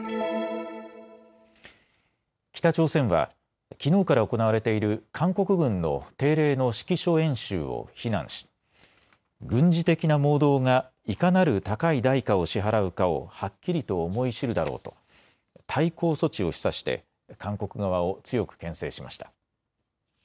北朝鮮はきのうから行われている韓国軍の定例の指揮所演習を非難し、軍事的な妄動がいかなる高い代価を支払うかをはっきりと思い知るだろうと対抗措置を示唆して韓国側を強くけん制しました。